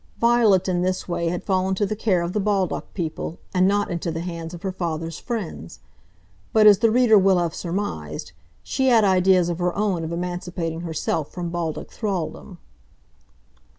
Violet in this way had fallen to the care of the Baldock people, and not into the hands of her father's friends. But, as the reader will have surmised, she had ideas of her own of emancipating herself from Baldock thraldom.